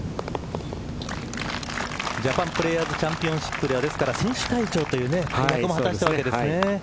ジャパンプレーヤーズチャンピオンシップでは選手会長という役も果たしたわけです。